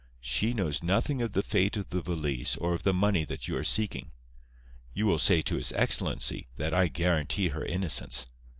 She knows nothing of the fate of the valise or of the money that you are seeking. You will say to his excellency that I guarantee her innocence.